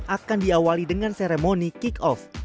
akan diawali dengan seremoni kick off